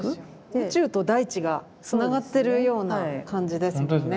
宇宙と大地がつながってるような感じですもんね。